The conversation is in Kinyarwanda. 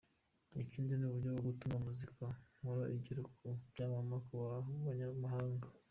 Ikindi ni uburyo bwo gutuma muzika nkora igera no ku banyamahanga.